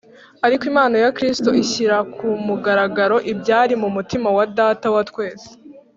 . Ariko impano ya Kristo ishyira ku mugaragaro ibyari mu mutima wa Data wa twese